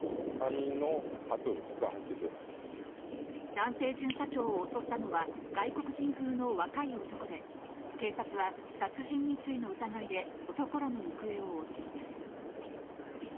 男性巡査長を襲ったのは外国人風の若い男で、警察は殺人未遂の疑いで男らの行方を追っています。